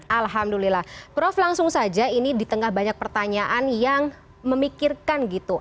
alhamdulillah prof langsung saja ini di tengah banyak pertanyaan yang memikirkan gitu